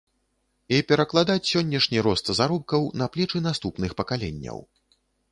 І перакладаць сённяшні рост заробкаў на плечы наступных пакаленняў.